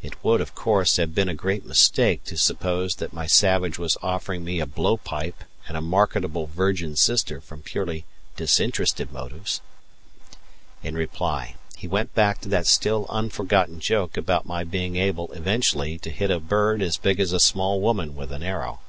It would, of course, have been a great mistake to suppose that my savage was offering me a blow pipe and a marketable virgin sister from purely disinterested motives. In reply he went back to that still unforgotten joke about my being able eventually to hit a bird as big as a small woman with an arrow.